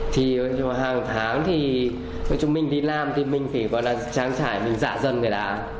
thì hàng tháng thì chúng mình đi làm thì mình phải tráng trải mình dạ dần rồi đã